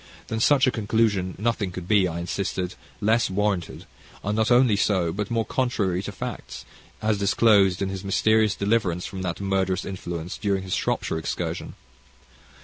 Than such a conclusion nothing could be, I insisted, less warranted; and not only so, but more contrary to facts, as disclosed in his mysterious deliverance from that murderous influence during his Shropshire excursion.